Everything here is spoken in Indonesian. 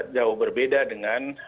jauh berbeda dengan